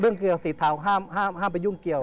เรื่องเกี่ยวกับสีเทาห้ามไปยุ่งเกี่ยว